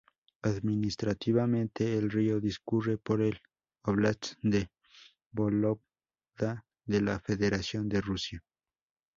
Administrativamente, el río discurre por el óblast de Vólogda de la Federación de Rusia.